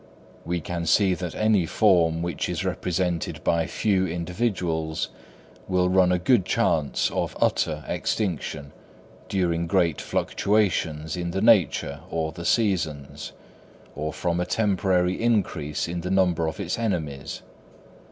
We can see that any form which is represented by few individuals will run a good chance of utter extinction, during great fluctuations in the nature or the seasons, or from a temporary increase in the number of its enemies.